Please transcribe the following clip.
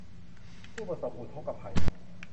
ผู้ประสบอุทกภัย